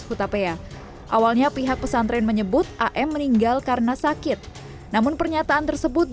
kutapaya awalnya pihak pesantren menyebut am meninggal karena sakit namun pernyataan tersebut